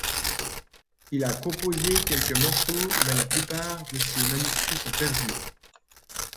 Il a composé quelques morceaux mais la plupart de ses manuscrits sont perdus.